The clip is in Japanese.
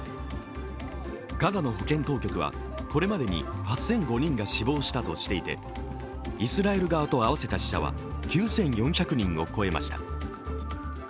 ガザの保健当局は、これまでに８００５人が死亡したとしていて、イスラエル側と合わせた死者は９４００人を超えました。